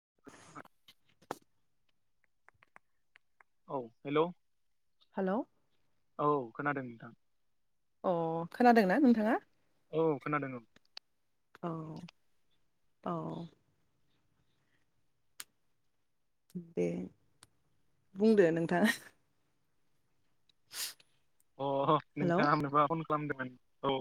[inaudible] औ हेलै! हाल'! औ खोनादों नोंथां। अ खोनादोंना नोंथाङा? औ खोनादों औ। औ औ। दे। बुंदो नोंथां। अ हेलौ नोंथाङा मानबा फन खालामदोंमोन? औ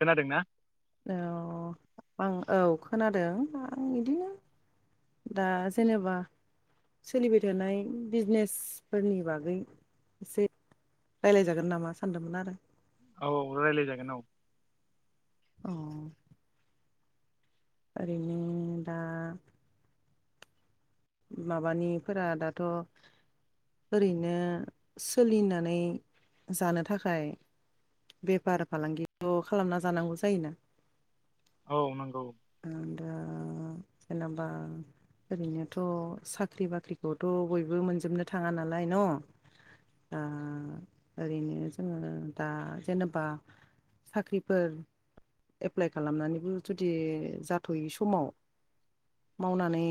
खोनादोंना? औ आं औ खोनादों आं बिदिनो दा जेनोबा सोलिबाय थानाय बिजनेसफोरनि बागै एसे रायज्लाय जागोन नामा सानदोंमोन आरो। औ औ रायज्लाय जागोन औ। औ। ओरैनो दा। माबानिफोरा दाथ' ओरैनो सोलिनानै जानो थाखाय बेफार फालांगिखौ खालामना जानांगौ जायोना। औ नंगौ। उम दा होनोबा ओरैनो थ' साख्रि बाख्रिखौथ' बयबो मोनजोबनो थाङा नालाय न? ओ ओरैनो जोङो दा जेनोबा साख्रिफोर एप्लाइ खालामनानैबो जुदि जाथ'यि समाव मावनानै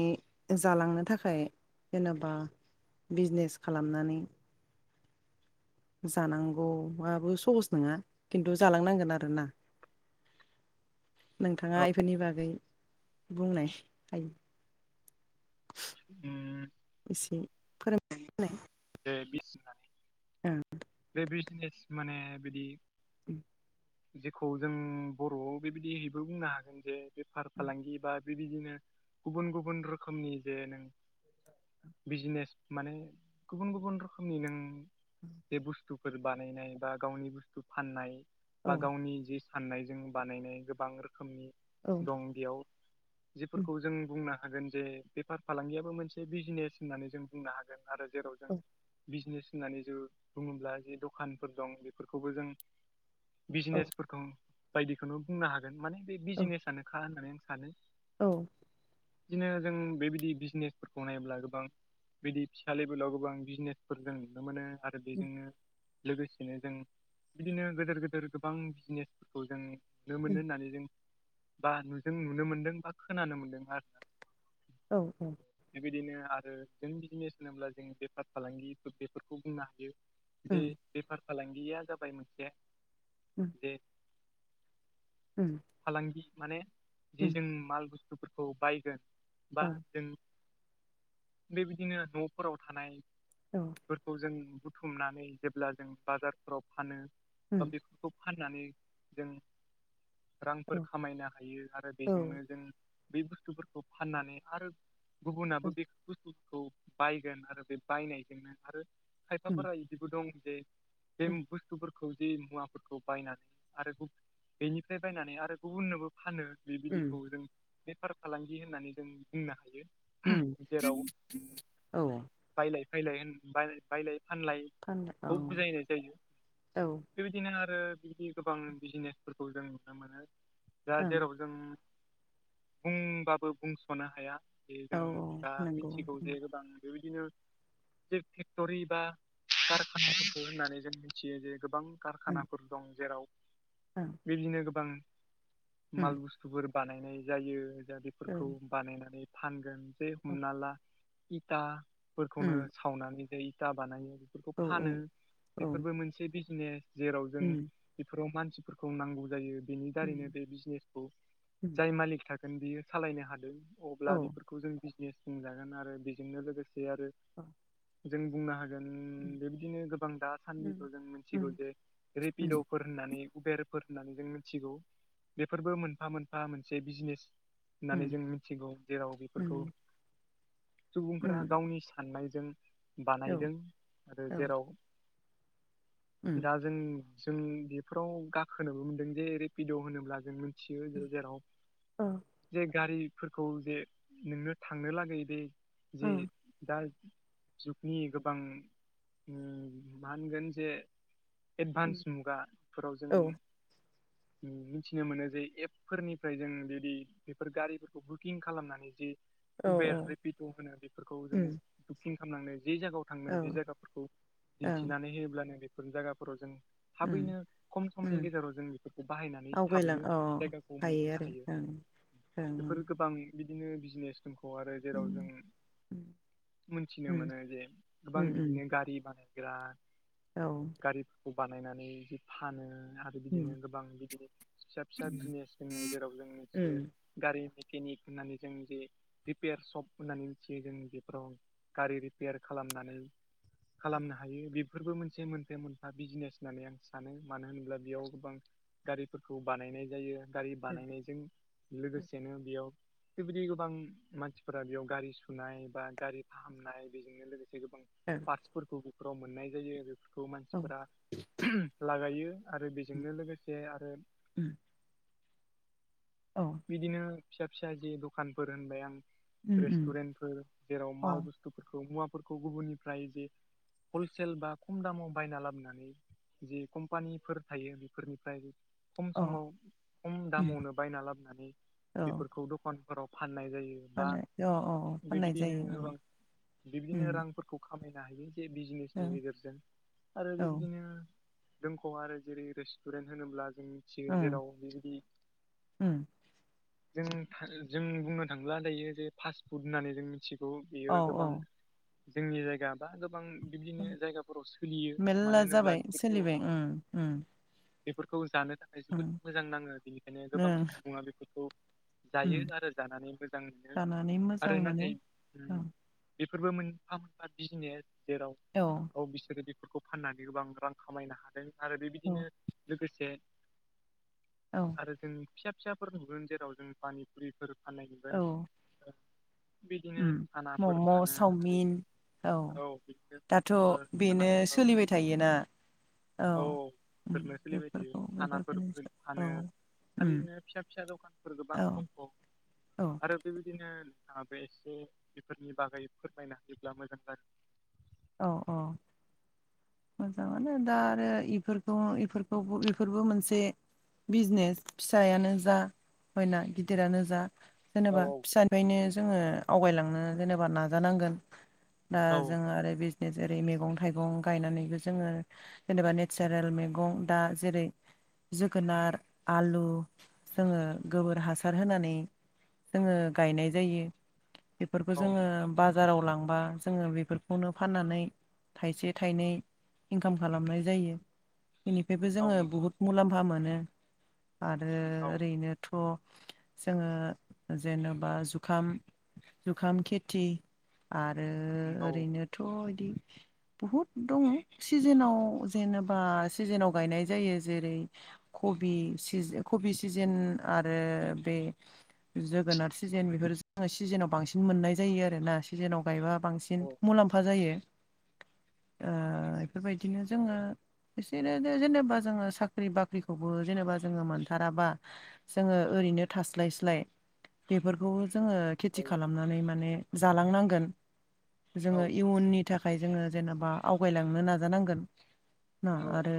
जालांनो थाखाय जेन'बा बिजनेस खालामनानै जानांगौवाबो सहस नोङा किन्तु जालांनांगोन आरोना? नोंथाङा औ इफोरनि बागै बुंनाय हायो। [inaudible] उम। इसे फोरोंनाय होनाय। दे [unintelligible] औ बे बिजनेस माने बिदि उम। जेखौ जों बर'आव बेबायदिहायबो बुंनो हागोन जे बेफार फालांगि बा बि बिदिनो गुबुन गुबुन रोखोमनि जे नों बिजनेस माने गुबुन गुबुन रोखोमनि नों [inaudible] जे बुस्थुफोर बानायनाय बा गावनि बुस्थु फाननाय बा गावनि जिस खाननायजों बानायनाय गोबां रोखोमनि औ दं बेयाव। जिफोरखौ जों बुंनो हागोन जे बेफार फालांगियाबो मोनसे बिजनेस होननानै जों बुंनो हाग जों आरो जेराव जों औ बिजनेस होननानै जु बुङोब्ला जि दखानफोर दं बेफोरखौबो जों औ बिजनेसफोरखौ बायदिखौनो बुंनो हागोन माने बे औ बिजिनेसानोखा होननानै आं सानो। औ बिदिनो जों बेबायदि बिजनेसफोरखौ नायोब्ला गोबां बिदि फिसा लेभेलाव गोबां बिजनेसफोर जों नुनो मोनो आरो उम बेजोंनो लोगोसेनो जों बिदिनो गोदोर गोदोर गोबां बिजनेसफोरखौ जों नो उम मोनो होननानै जों बा नु जों नुनो मोनदों बा खोनानो मोनदों आरो ना? औ औ बेबायदिनो आरो जों बिजिनेस होनोब्ला जों बेफार फालांगि बेफोरखौ बुंनो हायो। जे उम बेफार फालांगिया जाबाय मोनसे उम जे उम। फालांगि माने जि उम जों माल बुस्थुफोरखौ बायगोन बा औ जों बेबायदिनो न'फोराव थानाय औ फोरफोरखौ जों बुथुमनानै जेब्ला जों बाजारफोराव फानो बा उम बेफोरखौ फाननानै जों औ रांफोर खामायनो हायो आरो औ बेजोंनो जों बे बुस्थुफोरखौ फाननानै आरो गुबुनाबो बेफोर बुस्थु खौ बायगोन आरो बे बायनायजोंनो आरो उम खायफाफोरा इदिबो दं जे बेम उम बुस्थु फोर जि मुवाफोरखौ बायनानै आरो [unintelligible] बेनिफ्राय बायनानै आरो गुबुननोबो फानो उम बेबायदिखौ जों बेफार फालांगि होननानै जों बुंनो हायो। उम जेराव औ। बायलाय फैलाय होन बायलाय बायलाय फानलाय फाननो औ खौ बुजायनाय जायो। औ ओं बेबायदिनो आरो बिदि गोबां बिजिनेसफोरखौ जों नुनो मोनो। दा औ जेराव जों बुंबाबो बुंस'नो हाया। जे औ जों दा नंगौ मिथिगौ उम जे गोबां बेबायदिनो बे फेक्ट'रि बा कारखानाफोरखौ होननानै जों मिथियो जे गोबां कारखानाफोर दं जेराव औ। बिदिनो गोबां माल बुस्थुफोर बानायनाय जायो औ बेफोरखौ बानायनानै फानगोन जे औ हमना ला इटा खौनो उम सावनानै जे इता बानायो बेफोरखौ औ फानो औ बेफोरबो मोनसे बिजनेस। जेराव जों उम बेफोराव मानसिफोरखौ नांगौ जायो। बेनि उम दारैनो बे बिजनेसखौ उम जाय मालिक थागोन बियो सालायनो हादों औ अब्ला बे बेखौ जों बिजनेस बुंजागोन आरो बेजोंनो लोगोसे आरो [inaudible] जों बुंनो हागोन उम बेबायदिनो गोबां उम दासान्दिखौ जों मिथिगौ उम जे उम रेपिड'फोर होननानै उबेरफोर होननानै जों मिथिगौ बेफोरबो मोनफा मोनफा मोनसे बिजनेस होननानै जों मिथिगौ जेराव उम बेफोरखौ सुबुंफोरा उम गावनि साननायजों औ बानायदों आरो जेराव उम दा जों जों बेफोराव गाखोनोबो मोनदों जे रेपिड' होनोब्ला जों मिथियो जे जेराव अ। जे गारिफोरखौ जे नोंनो थांनो लागै बे जे औ दा जुगनि गोबां मा होनगोन जे एडभान्स मुगा फोराव जों उम मिथिनो मोनो जे एपफोरनिफ्राय जों जुदि बेफोर गारिफोरखौ बुकिं खालामनानै जि उबेर रेपिद' होनो बेफोरखौ जों उम बुकिं खामनानै जे जायगायाव थांनो बे औ जायगाफोरखौ ओं दिन्थिनानै होयोब्लानो बेफोर जायगाफोराव जों उम थाबैनो खम समनि उम गेजेराव जों बेफोरखौ बाहायनानै आवगायलां थाबैनो अ जायगाखौ मोनहैनो आरो हायो ओं ओं बेफोर गोबां बिदिनो बिजनेस मेनखौ आरो जेराव जों उम मोनथिनो उम मोनो जे गोबां उम उम बिदिनो गारि बानायग्रा औ। गारिफोरखौ बानायनानै फानो आरो बिदिनो उम गोबां बिदिनो फिसा फिसा बिजनेस दोङो जेराव जों मिथियो उम गारि मेकेनिक होननानै जों जे रिपयार सप होननानै मिथियो जों बेफोराव गारि रिपेयार खालामनानै खालामनो हायो बे बेफोरबो मोनसे मोनसे मोनफा बिजनेस होननानै आं सानो मानो होनोब्ला बेयाव गोबां गारिफोरखौ बानायनाय जायो गारि बानायनायजों लोगोसेनो बेयाव बेबायदि गोबां मानसिफोरा बेयाव गारि सुनाय बा गारि फाहामनाय बेजोंनो लोगोसे गोबां [unintelligible] खिफोरखौ बेफोराव मोननाय जायो बेफोरखौ ओं औ मानसिफोरा लागायो। आरो बेजोंनो लोगोसे आरो ओम। औ। बिदिनो फिसा फिसा जि दखानफोर होनबाय आं उम उम रेस्टुरेन्टफोर जेराव अ माल बुस थुफोरखौ मुवाफोरखौ गुबुननिफ्राय जे हलसेल बा खम दामाव बायना लाबनानै जि कम्पानिफोर थायो बेफोरनिफ्राय खम अ समाव खम उम दामावनो बायना लाबनानै औ बेफोरखौ दखानफोराव फाननाय जायो बा फानो अ अ फाननाय बेबायदिनो जायो गोबां उम बिबादिनो उम रांफोर खौ खामायनो हायो जे बिजनेसनि ओं गेजेरजों आरो औ बेबायदिनो दोंख' आरो जेरै रेस्टुरेन्ट होनोब्ला जों मिथियो जेराव बेबायदि ओम। जों था जों बुंनो थांला दायो जे फास्ट फुड होननानै जों मिथियो ब औ बियो गोबां औ जोंनि जायगा बा गोबां बिदिनो जायगाफोराव सोलियो मानो मेलला होनोब्ला जाबाय सोलिबाय उम [unintelligible] उम बेफोरखौ जानो थाखाय उम जोबोद मोजां नाङो बिनिखायनो गोबां ओं मुवा बेसादखौ उम जायो आरो जानानै मोजां मोनो जानानै मोजां आरो मोनो नाथाय औ उम बेफोरबो मोनफा मोनफा बिजिनेस जेराव द' औ बिसोरो बेफोरखौ फाननानै गोबां रां खामायनो हादों आरो औ बेबिदिनो लोगोसे औ आरो जों फिसा फिसाफोर नुगोन जेराव जों पानिफुरिफोर फाननाय नुगोन औ बिदिनो उम सानाफोर मम' फानो आरो चावमिन औ दाथ' ओ साना बेनो औ सोलिबाय थायोना औ ओम बेफोरनो सोलिबाय थायो बेफोरखौ सानाफोर फानो बेफोरखौनो औ आरो उम बिदिनो फिसा फिसा दखानफोर गोबां औ दङ औ आरो बेबिदिनो नोंथाङाबो एसे बेफोरनि बागै फोरमायना होयोब्ला मोजां जागोन औ औ मोजांआनो दा आरो इफोरखौ इफोरखौबो इफोरबो मोनसे बिजनेस फिसायानो जा बयना गिदिरानो जा औ जेनेबा फिसानिफायनो जोङो आवगायलांनो जेनेबा नाजानांगोन ना औ जों आरो बिजनेस जेरै मैगं थाइगं गायनानैबो जोङो जेनेबा नेचारेल मैगं दा जेरै जोगोनार आलु जोङो गोबोर हासार होनानै जोङो गायनाय जायो बेफोरखौ जोङो बाजाराव लांबा जोङो बेफोरखौनो फाननानै थाइसे थाइनै इनकाम खालामनाय जायो इनिफ्रायबो औ जोङो नंगौ बुहुत मुलाम्फा मोनो आरो ओरैनोथ' जोङो जेनेबा जुखाम जुखाम खेथि आरो ओरैनोथ' इदि बुहुद दङ सिजोनाव जेनेबा सिजेनाव गायनाय जायो जेरै कबि सिजो कबि सिजेन आरो बे जोगोनार सिजोन बेफोर जोङो सिजेनाव बांसिन मोननाय जायो आरोना सिजोनाव गायबा औ बांसिन मुलाम्फा जायो ओ बेफोरबायदिनो जोङो इसेनोनो जेनेबा जोङो साख्रि बाख्रिखौबो जेनेबा जोङो मोनथाराबा जोङो ओरैनो थास्लायस्लाय बेफोरखौ जोङो औ खेथि खालामनानै माने जालांनांगोन जोङो इयुननि थाखाय जोङो जेनेबा आवगायलांनो नाजानांगोन ना औ आरो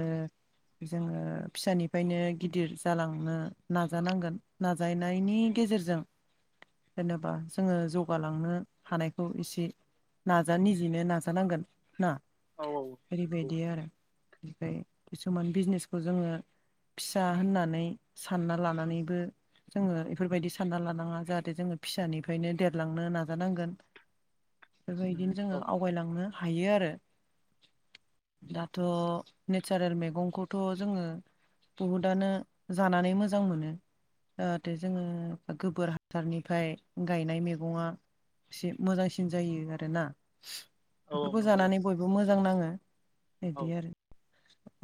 जोङो फिसानिफायनो गिदिर जालांनो नाजानांगोन नाजायनायनि गेजेरजों जेनेबा जोङो जौगालांनो हानायखौ इसि नाजा निजिनो नाजानांगोन। ना औ औ। ओरैबायदि आरो ओमफाय किसुमान बिजनेसखौ जोङो फिसा होननानै सानना लानानैबो जोङो इफोरबायदि सानना लानाङा जाहाथे जोङो फिसानिफायनो देरलांनो नाजानांगोन। बे बायदिनो जोङो नंगौ आवगायलांनो हायो आरो दाथ' नेचारेल मैगंखौथ' जोङो बुहुदानो जानानै मोजां मोनो जाहाथे जोङो गोबोर हासारनिफाय गायनाय मेगङा से मोजांसिन जायो आरोना बेफोरखौ जानानै बयबो मोजां नाङो। बिदि औ आरो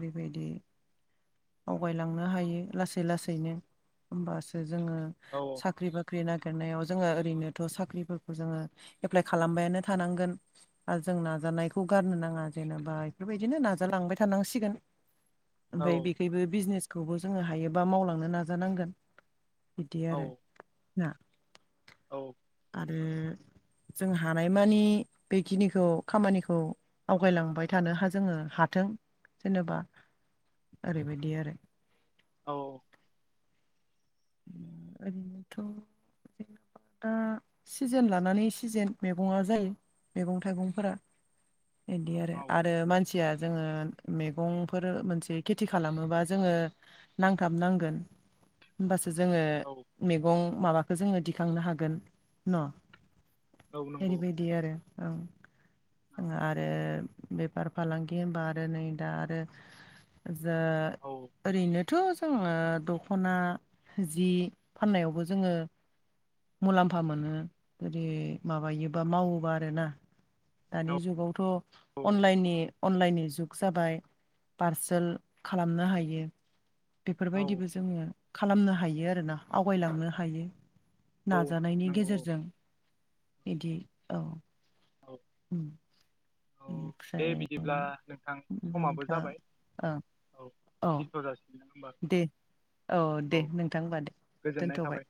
बैबायदि आवगायलांनो हायो लासै लासैनो होमबासो जोङो औ औ। साख्रि बाख्रि नागिरनायाव जोङो ओरैनोथ' साख्रिफोरखौ जोङो एप्लाइ खालामबायानो थानांगोन। ओ जों नाजानायखौ गारनो नाङा जेनेबा बेफोरबायदिनो नाजालांबाय थानांसिगोन। औ [inaudible] ओमफाय औ बेखायबो बिजनेसखौबो जोङो हायोबा मावलांनो नाजानांगोन बिदि औ आरो ना। औ। आरो जों हानायमानि बेखिनिखौ खामानिखौ आवगायलांबाय थानोहा जोङो हाथों जेनेबा ओरैबायदि आरो। औ। ओरैनोथ' जेनेबा दा सिजेन लानानै सिजेन मैगंआ जायो मैगं थाइगंफोरा। बिदि आरो औ आरो मान सिया जोङो मैगंफोर मोनसे खेथि खालामोबा जोङो नांथाब नांगोन। होमबासो जोङो औ मैगं माबाखो जोङो दिखांनो हागोन न'। औ नंगौ औ ओरैबायदि आरो औ। आरो बेफार फालांगि होनबा आरो नै दा आरो जो औ। ओरैनोथ' जोङो दख'ना जि फाननायावबो जोङो मुलाम्फा मोनो जुदि माबायोबा मावोबा आरो ना। दानि जुगावथ' औ अनलाइननि अनलाइननि जुग जाबाय पारसोल खालामनो हायो। औ औ बेफोरबायदिबो जोङो खालामनो हायो आरोना आवगायलांनो हायो। औ नाजानायनि नंगौ गेजेरजों बिदि औ। औ। उम। औ दे ओमफ्राय बिदिब्ला नोंथां समाबो नोंथां जाबाय औ औ औ दिदथराज दे औ दे नोंथां होनबा दे गोजोननाय थाबाय। दोनथ'बाय।